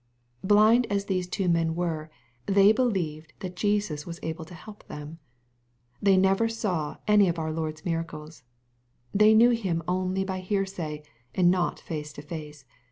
Blind as these two men were, they believed that Jesus was able to help them. They never saw any of our Iiord's miracles. Tl^ey knew Him only by hear say, and not face to face.